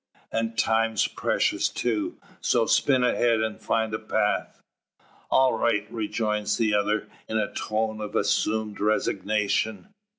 And time's precious too; so spin ahead, and find the path." "All right," rejoins the other, in a tone of assumed resignation.